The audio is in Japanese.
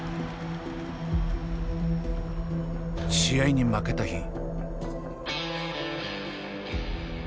試合に負けた日。